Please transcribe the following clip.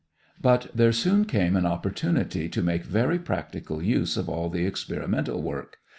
But there soon came an opportunity to make very practical use of all the experimental work.